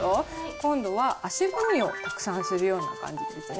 今度は足踏みをたくさんするような感じですね。